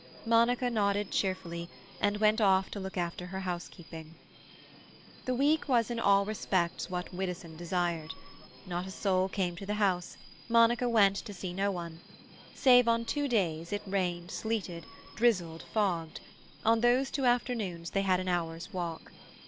Monica nodded cheerfully, and went off to look after her housekeeping. The week was in all respects what Widdowson desired. Not a soul came to the house; Monica went to see no one. Save on two days, it rained, sleeted, drizzled, fogged; on those two afternoons they had an hour's walk.